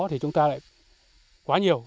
thì chúng ta lại quá nhiều